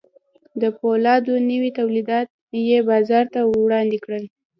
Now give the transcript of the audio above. د پولادو نوي تولیدات یې بازار ته وړاندې کړل